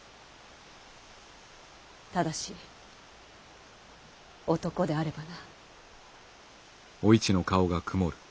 ただし男であればな。